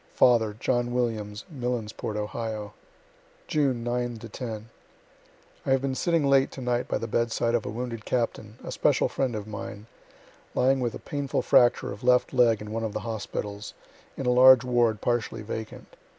Father, John Williams, Millensport, Ohio. June 9 10. I have been sitting late to night by the bedside of a wounded captain, a special friend of mine, lying with a painful fracture of left leg in one of the hospitals, in a large ward partially vacant.